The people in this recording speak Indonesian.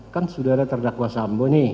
kan sudah ada terdakwa sambon nih